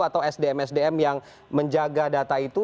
atau sdm sdm yang menjaga data itu